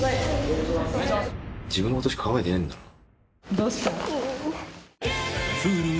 どうした？